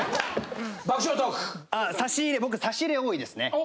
差し入れ僕差し入れ多いですね。